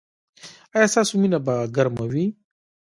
ایا ستاسو مینه به ګرمه وي؟